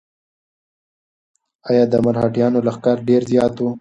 ایا د مرهټیانو لښکر ډېر زیات و؟